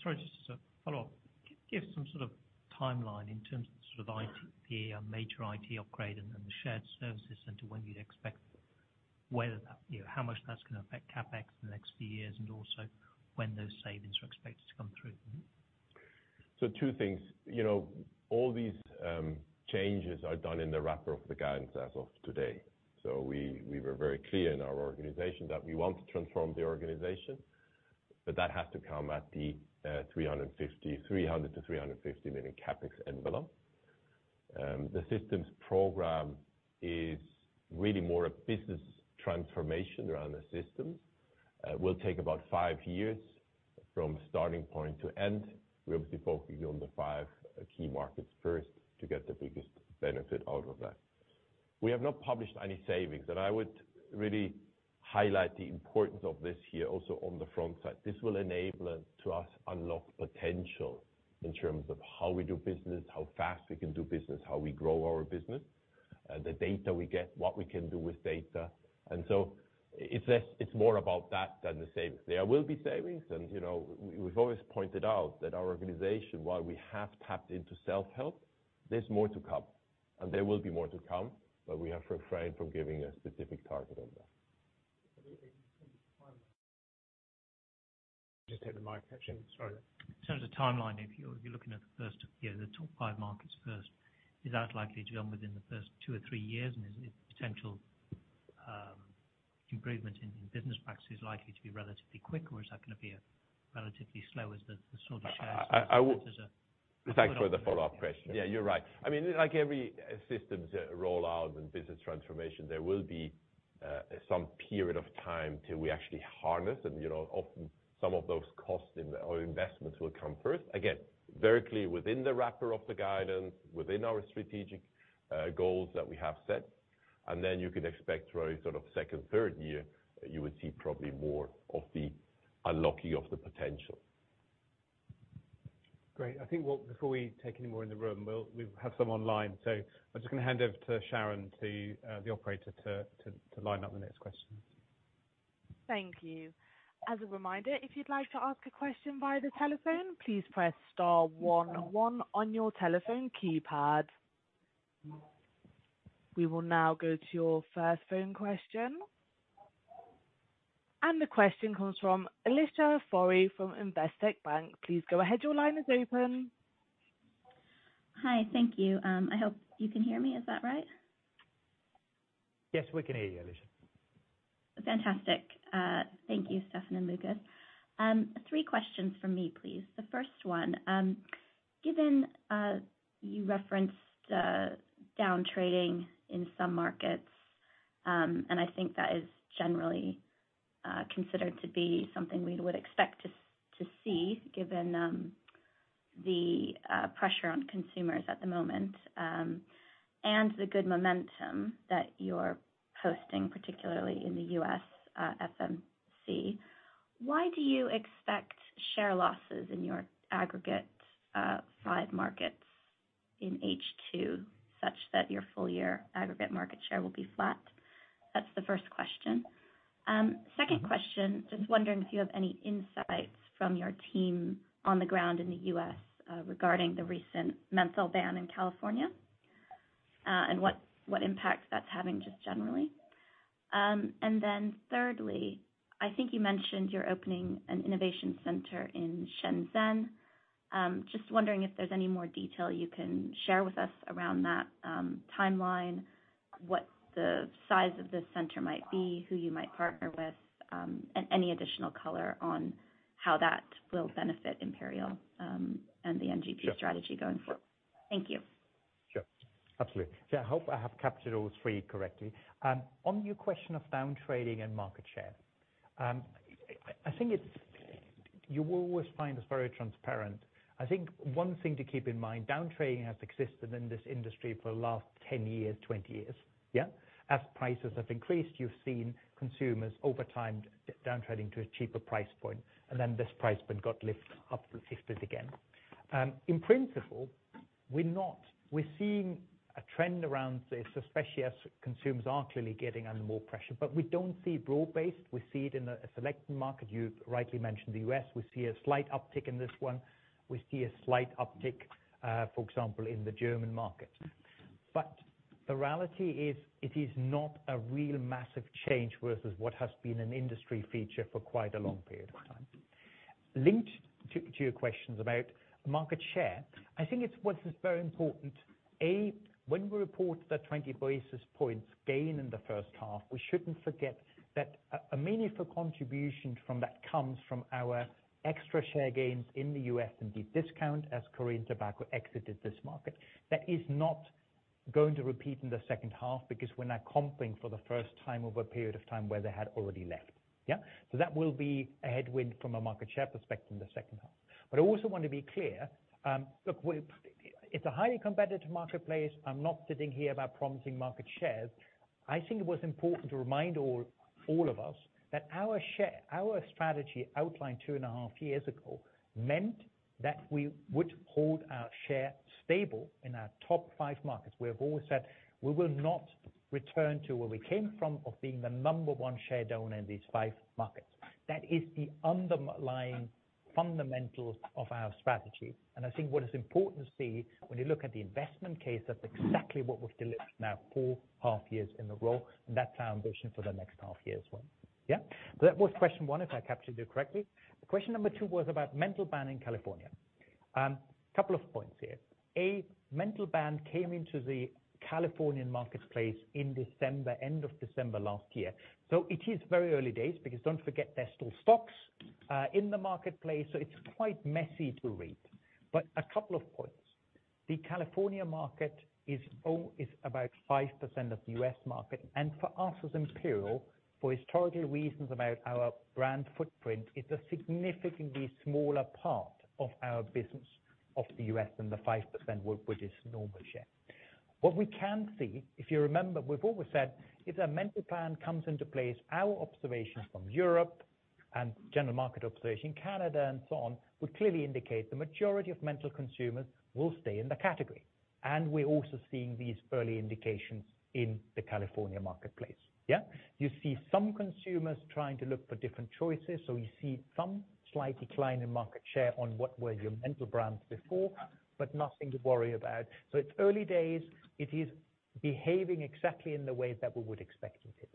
Sorry, just a follow-up. Can you give some sort of timeline in terms of sort of IT, a major IT upgrade and the shared services and to when you'd expect, you know, how much that's gonna affect CapEx in the next few years and also when those savings are expected to come through? Two things. You know, all these changes are done in the wrapper of the guidance as of today. We were very clear in our organization that we want to transform the organization, but that has to come at the 300 million-350 million CapEx envelope. The systems program is really more a business transformation around the systems. Will take about 5 years from starting point to end. We're obviously focusing on the five key markets first to get the biggest benefit out of that. We have not published any savings, and I would really highlight the importance of this here also on the front side. This will enable it to us unlock potential in terms of how we do business, how fast we can do business, how we grow our business, the data we get, what we can do with data. It's less, it's more about that than the savings. There will be savings and, you know, we've always pointed out that our organization, while we have tapped into self-help, there's more to come and there will be more to come. We have refrained from giving a specific target on that. Just take the mic. Sorry. In terms of timeline, if you're, if you're looking at the first year, the top five markets first, is that likely to be done within the first two or three years? And is potential improvement in business practices likely to be relatively quick, or is that gonna be relatively slow as the sort of shares? Thanks for the follow-up question. Yeah, you're right. I mean, like every systems rollout and business transformation, there will be some period of time till we actually harness and, you know, often some of those costs or investments will come first. Again, very clear within the wrapper of the guidance, within our strategic goals that we have set, and then you can expect really sort of second, third year, you would see probably more of the unlocking of the potential. Great. Before we take any more in the room, we have some online. I'm just gonna hand over to Sharon, to the operator to line up the next question. Thank you. As a reminder, if you'd like to ask a question via the telephone, please press star one one on your telephone keypad. We will now go to your first phone question. The question comes from Alicia Forry from Investec Bank. Please go ahead. Your line is open. Hi. Thank you. I hope you can hear me. Is that right? Yes, we can hear you, Alicia. Fantastic. Thank you, Stefan and Lukas. Three questions from me, please. The first one, given you referenced down trading in some markets, and I think that is generally considered to be something we would expect to see given the pressure on consumers at the moment, and the good momentum that you're posting, particularly in the U.S., FMC. Why do you expect share losses in your aggregate five markets in H2 such that your full year aggregate market share will be flat? That's the first question. Second question, just wondering if you have any insights from your team on the ground in the U.S. regarding the recent menthol ban in California, and what impact that's having just generally. Then thirdly, I think you mentioned you're opening an innovation center in Shenzhen. Just wondering if there's any more detail you can share with us around that timeline, what the size of the center might be, who you might partner with, and any additional color on how that will benefit Imperial, and the NGP strategy going forward. Thank you. Sure. Absolutely. Yeah, I hope I have captured all three correctly. On your question of down trading and market share, I think it's. You will always find us very transparent. I think one thing to keep in mind, down trading has existed in this industry for the last 10 years, 20 years. Yeah. As prices have increased, you've seen consumers over time down trading to a cheaper price point, and then this price been got lifted again. In principle. We're not. We're seeing a trend around this, especially as consumers are clearly getting under more pressure, but we don't see broad-based. We see it in a select market. You rightly mentioned the U.S., we see a slight uptick in this one. We see a slight uptick, for example, in the German market. The reality is, it is not a real massive change versus what has been an industry feature for quite a long period of time. Linked to your questions about market share, I think what is very important, A, when we report that 20 basis points gain in the first half, we shouldn't forget that a meaningful contribution from that comes from our extra share gains in the U.S. and deep discount as Korean Tobacco exited this market. That is not going to repeat in the second half because we're now comping for the first time over a period of time where they had already left. Yeah? That will be a headwind from a market share perspective in the second half. I also want to be clear, look, it's a highly competitive marketplace. I'm not sitting here about promising market shares. I think it was important to remind all of us that our share, our strategy outlined 2.5 years ago meant that we would hold our share stable in our top five markets. We have always said, we will not return to where we came from of being the number 1 shareowner in these five markets. That is the underlying fundamental of our strategy. What is important to see when you look at the investment case, that's exactly what we've delivered now 4 half years in a row, and that's our ambition for the next half year as well. Yeah? That was question 1, if I captured you correctly. Question number 2 was about menthol ban in California. Couple of points here. A menthol ban came into the Californian marketplace in December, end of December last year. It is very early days because don't forget, there's still stocks in the marketplace, so it's quite messy to read. A couple of points. The California market is about 5% of the U.S. market, and for us as Imperial, for historical reasons about our brand footprint, it's a significantly smaller part of our business of the U.S. than the 5% world, which is normal share. What we can see, if you remember, we've always said, if a menthol ban comes into place, our observations from Europe and general market observation, Canada and so on, would clearly indicate the majority of menthol consumers will stay in the category. We're also seeing these early indications in the California marketplace. Yeah? You see some consumers trying to look for different choices. We see some slight decline in market share on what were your menthol brands before, but nothing to worry about. It's early days. It is behaving exactly in the way that we would expect it to.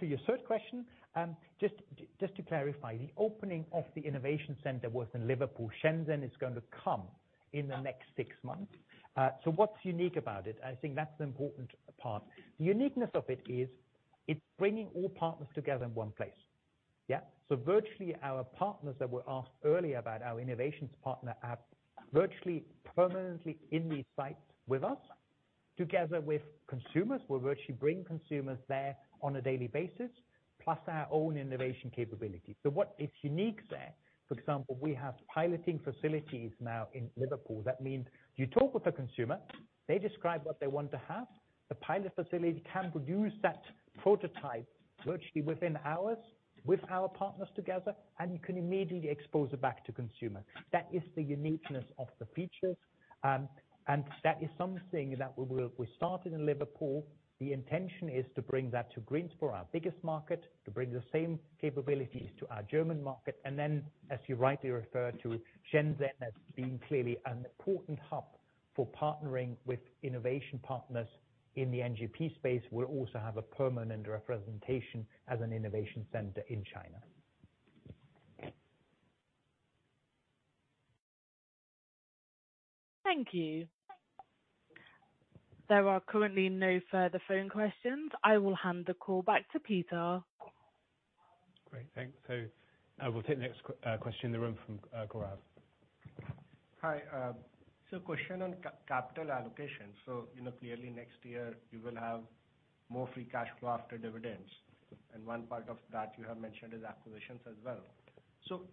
To your third question, just to clarify, the opening of the innovation center was in Liverpool. Shenzhen is going to come in the next six months. What's unique about it? I think that's the important part. The uniqueness of it is it's bringing all partners together in one place. Yeah? Virtually, our partners that were asked earlier about our innovations partner are virtually permanently in these sites with us, together with consumers, we virtually bring consumers there on a daily basis, plus our own innovation capability. What is unique there, for example, we have piloting facilities now in Liverpool. That means you talk with the consumer, they describe what they want to have, the pilot facility can produce that prototype virtually within hours with our partners together, and you can immediately expose it back to consumer. That is the uniqueness of the features. That is something that we started in Liverpool. The intention is to bring that to Greensboro, our biggest market, to bring the same capabilities to our German market. As you rightly refer to Shenzhen as being clearly an important hub for partnering with innovation partners in the NGP space, we'll also have a permanent representation as an innovation center in China. Thank you. There are currently no further phone questions. I will hand the call back to Peter. Great. Thanks. I will take the next question in the room from Gaurav. Hi. Question on capital allocation. You know, clearly next year, you will have more free cash flow after dividends. One part of that you have mentioned is acquisitions as well.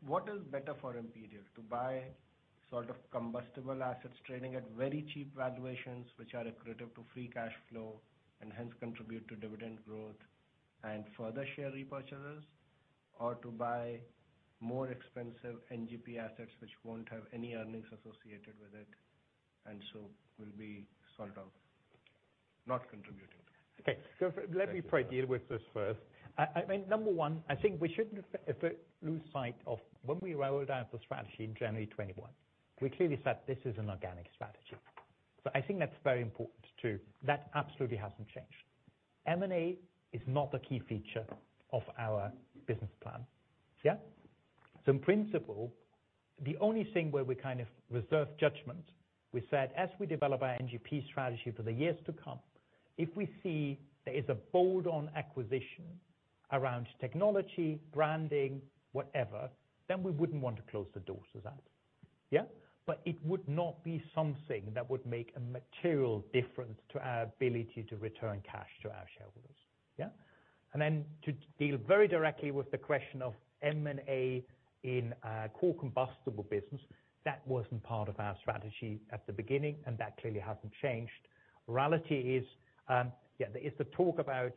What is better for Imperial? To buy sort of combustible assets trading at very cheap valuations, which are accretive to free cash flow and hence contribute to dividend growth and further share repurchases? Or to buy more expensive NGP assets which won't have any earnings associated with it, will be sort of not contributing? Okay. Let me probably deal with this first. I mean, number one, I think we shouldn't lose sight of when we rolled out the strategy in January 2021, we clearly said this is an organic strategy. I think that's very important, too. That absolutely hasn't changed. M&A is not a key feature of our business plan. Yeah? In principle, the only thing where we kind of reserve judgment, we said as we develop our NGP strategy for the years to come, if we see there is a bolt-on acquisition around technology, branding, whatever, then we wouldn't want to close the doors to that. Yeah? It would not be something that would make a material difference to our ability to return cash to our shareholders. Yeah? To deal very directly with the question of M&A in a core combustible business, that wasn't part of our strategy at the beginning, and that clearly hasn't changed. Reality is, there is the talk about...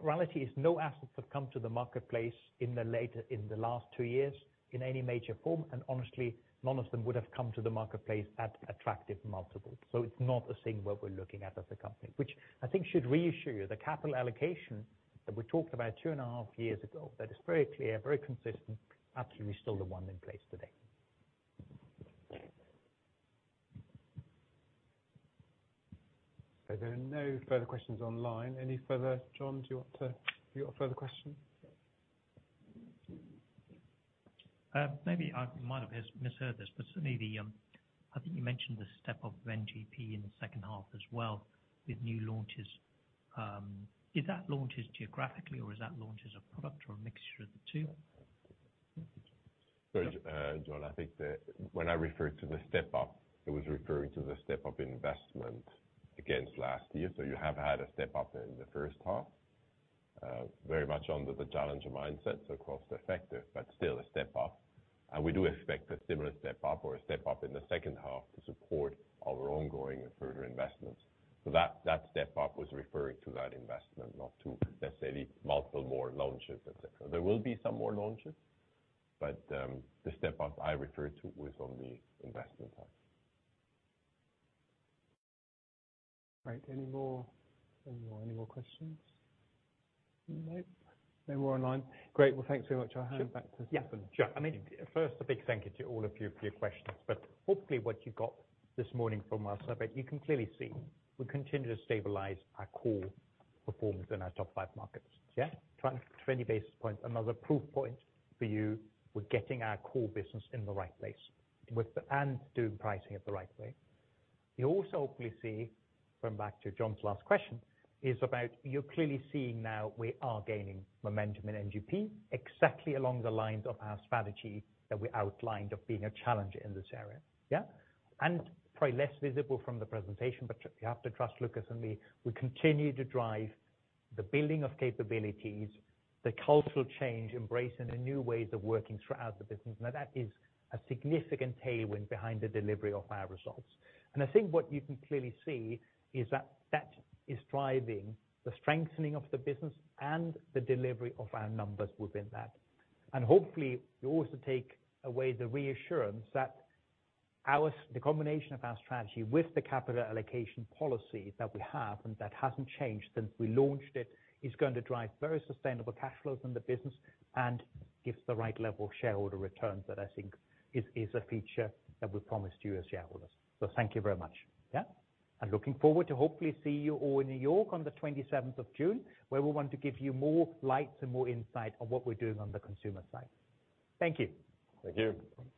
Reality is no assets have come to the marketplace in the last two years in any major form, and honestly, none of them would have come to the marketplace at attractive multiples. It's not a thing what we're looking at as a company. Which I think should reassure you, the capital allocation that we talked about two and a half years ago, that is very clear, very consistent, absolutely still the one in place today. There are no further questions online. Jon, do you have a further question? Maybe I might have misheard this, but certainly the, I think you mentioned the step up of NGP in the second half as well with new launches. Is that launches geographically, or is that launches of product or a mixture of the two? Jon, I think that when I referred to the step up, it was referring to the step up investment against last year. You have had a step up in the first half, very much under the challenger mindset, so cost effective, but still a step up. We do expect a similar step up or a step up in the second half to support our ongoing and further investments. That step up was referring to that investment, not to necessarily multiple more launches, et cetera. There will be some more launches, but the step up I referred to was on the investment side. Right. Any more, any more, any more questions? Nope, no more online. Great. Thanks so much. I'll hand back to Stefan. Sure. I mean, first a big thank you to all of you for your questions, but hopefully what you got this morning from our survey, you can clearly see we continue to stabilize our core performance in our top five markets. 20 basis points, another proof point for you, we're getting our core business in the right place doing pricing it the right way. You also hopefully see, going back to John's last question, is about you're clearly seeing now we are gaining momentum in NGP exactly along the lines of our strategy that we outlined of being a challenger in this area. Probably less visible from the presentation, but you have to trust Lukas and Stefan, we continue to drive the building of capabilities, the cultural change, embracing the new ways of working throughout the business. Now, that is a significant tailwind behind the delivery of our results. I think what you can clearly see is that that is driving the strengthening of the business and the delivery of our numbers within that. Hopefully, you also take away the reassurance that our the combination of our strategy with the capital allocation policy that we have, and that hasn't changed since we launched it, is going to drive very sustainable cash flows in the business and gives the right level of shareholder returns that I think is a feature that we promised you as shareholders. Thank you very much. Yeah? Looking forward to hopefully see you all in New York on the 27th of June, where we want to give you more lights and more insight on what we're doing on the consumer side. Thank you. Thank you.